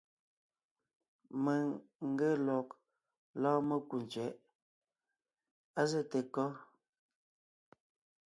Mèŋ n ge lɔg lɔ́ɔn mekú tsẅɛ̌ʼ. Á zɛ́te kɔ́?